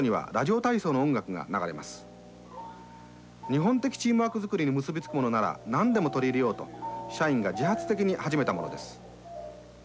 日本的チームワーク作りに結び付くものなら何でも取り入れようと社員が自発的に始めたものです。